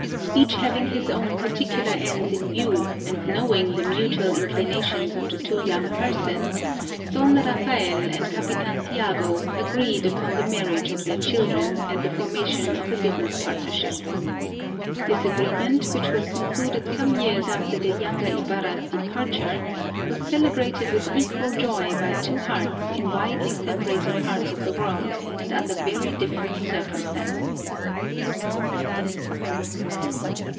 Each having his own particular ends in view and knowing the mutual inclinations of the two young persons, Don Rafael and Capitan Tiago agreed upon the marriage of their children and the formation of a business partnership. This agreement, which was concluded some years after the younger Ibarra's departure, was celebrated with equal joy by two hearts in widely separated parts of the world and under very different circumstances.